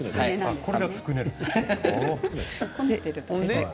これが、つくねる感じ。